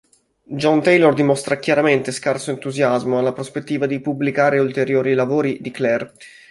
John Taylor dimostra chiaramente scarso entusiasmo alla prospettiva di pubblicare ulteriori lavori di Clare.